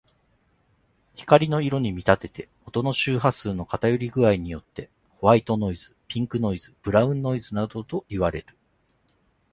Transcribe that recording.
光の色に見立てて、音の周波数の偏り具合によってホワイトノイズ、ピンクノイズ、ブラウンノイズなどといわれる。